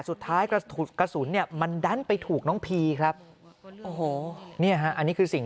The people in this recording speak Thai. สุดท้ายกระสุนเนี่ยมันดันไปถูกน้องพีครับโอ้โหเนี่ยฮะอันนี้คือสิ่ง